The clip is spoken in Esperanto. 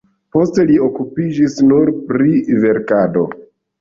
Poste li okupiĝis nur pri verkado.